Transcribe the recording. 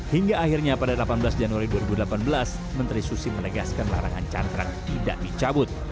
hingga akhirnya pada delapan belas januari dua ribu delapan belas menteri susi menegaskan larangan cantrang tidak dicabut